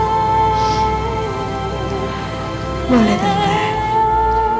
memang seperti tante bisa menyeberangkan kekuasaan